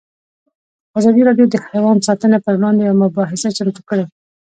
ازادي راډیو د حیوان ساتنه پر وړاندې یوه مباحثه چمتو کړې.